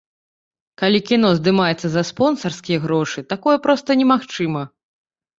Калі кіно здымаецца за спонсарскія грошы, такое проста немагчыма.